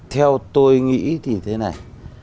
theo tôi nghĩ thì thế này